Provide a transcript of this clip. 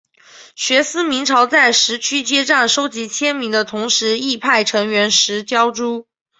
学民思潮在十区街站收集签名的同时亦派成员拾胶珠。